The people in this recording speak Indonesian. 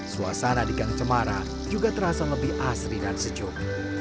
suasana di gang cemara juga terasa lebih asri dan sejuk